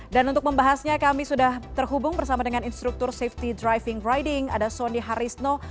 dan untuk membahasnya kami sudah terhubung bersama dengan instruktur safety driving riding ada sony harisno